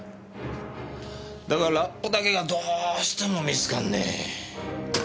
だがラップだけがどうしても見つかんねえ。